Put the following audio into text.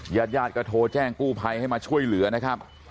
ญาติญาติก็โทรแจ้งกู้ภัยให้มาช่วยเหลือนะครับ